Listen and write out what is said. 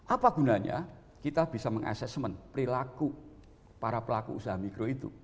apa gunanya kita bisa meng assessment perilaku para pelaku usaha mikro itu